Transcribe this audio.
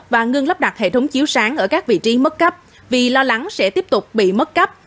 và ngưng lắp đặt hệ thống chiếu sáng ở các vị trí mất cấp vì lo lắng sẽ tiếp tục bị mất cấp